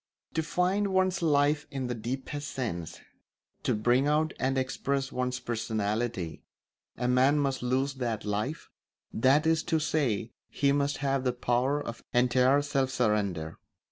To find one's life in the deepest sense, to bring out and express one's personality, a man must lose that life; that is to say, he must have the power of entire self surrender.